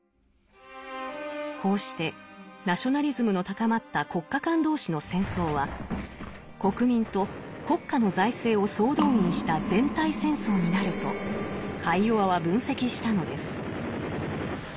こうしてナショナリズムの高まった国家間同士の戦争は国民と国家の財政を総動員した「全体戦争」になるとカイヨワは分析したのです。